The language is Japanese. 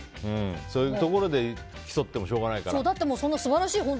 そういうところで競ってもしょうがないからと。